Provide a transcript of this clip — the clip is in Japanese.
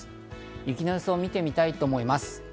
雪の予想を見てみたいと思います。